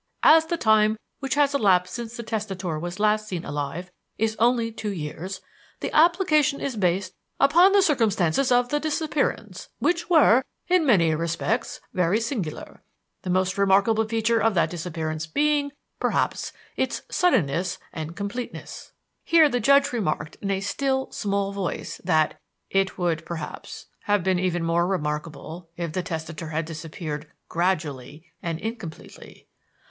As the time which has elapsed since the testator was last seen alive is only two years, the application is based upon the circumstances of the disappearance, which were, in many respects, very singular, the most remarkable feature of that disappearance being, perhaps, its suddenness and completeness." Here the judge remarked in a still, small voice that "It would, perhaps, have been even more remarkable if the testator had disappeared gradually and incompletely."